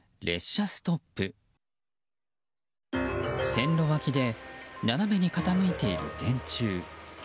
線路脇で斜めに傾いている電柱。